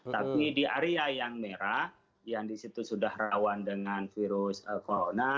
tapi di area yang merah yang disitu sudah rawan dengan virus corona